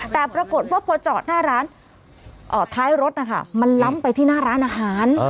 แต่ปรากฏว่าพอจอดหน้าร้านท้ายรถนะคะมันล้ำไปที่หน้าร้านอาหาร